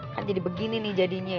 kan jadi begini nih jadinya